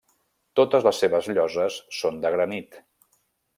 Totes les seves lloses són de granit.